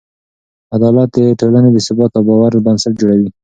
عدالت د ټولنې د ثبات او باور بنسټ جوړوي.